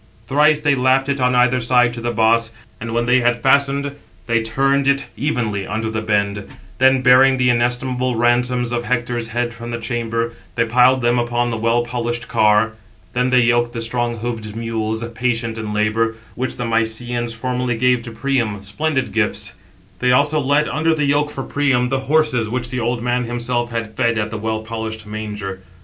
Thrice they lapped it on either side to the boss; and when they had fastened, they turned it evenly under the bend; then, bearing the inestimable ransoms of Hector's head from the chamber, they piled them upon the well polished car. Then they yoked the strong hoofed mules, patient in labour, which the Mysians formerly gave to Priam, splendid gifts. They also led under the yoke for Priam, the horses, which the old man himself had fed at the well polished manger.